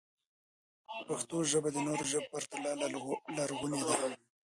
پښتو ژبه د نورو ژبو په پرتله لرغونې ده.